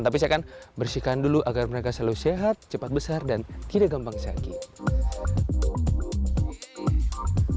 tapi saya akan bersihkan dulu agar mereka selalu sehat cepat besar dan tidak gampang sakit